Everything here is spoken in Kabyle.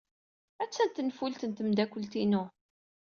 Attan tenfult n tmeddakelt-inu.